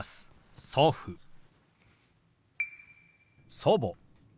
「祖母」。